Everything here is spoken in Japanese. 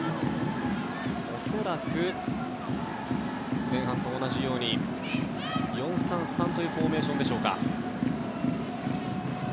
恐らく前半と同じように４−３−３というフォーメーションでしょうか。